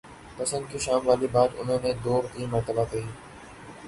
پسند کی شام والی بات انہوں نے دو تین مرتبہ کہی۔